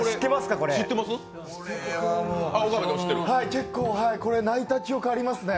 これ、結構、泣いた記憶ありますね。